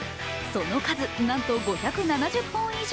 その数、なんと５７０本以上。